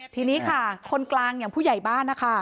ทีนี้ค่ะคนกลางอย่างผู้ใหญ่บ้านนะคะ